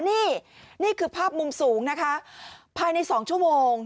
นี่นี่คือภาพมุมสูงนะคะภายใน๒ชั่วโมง